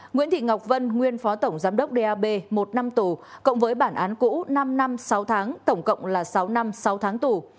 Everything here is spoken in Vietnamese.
nguyễn thị ngọc vân nguyên phó tổng giám đốc dap một năm tù cộng với bản án cũ năm năm sáu tháng tổng cộng là sáu năm sáu tháng tù